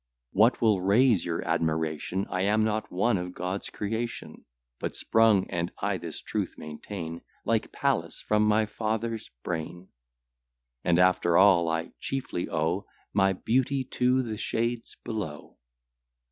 What will raise your admiration, I am not one of God's creation, But sprung, (and I this truth maintain,) Like Pallas, from my father's brain. And after all, I chiefly owe My beauty to the shades below.